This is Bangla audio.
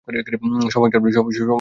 সময় কাটবে কী করে?